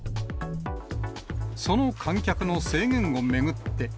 その観客の制限を巡って。